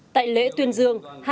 tại lễ tuyên dương